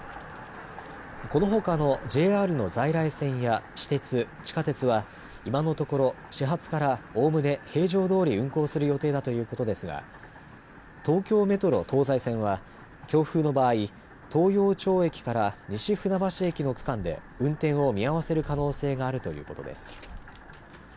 このほかのＪＲの在来線や私鉄、地下鉄は今のところ、始発からおおむね平常どおり運行する予定だということですが東京メトロ東西線は強風の場合東陽町駅から西船橋駅の区間で運転を見合わせる可能性があるということです。